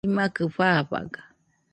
imakɨ fafaga